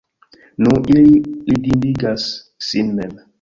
nu, ili ridindigas sin mem.